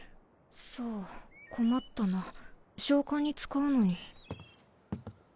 そう困ったな召喚に使うのに。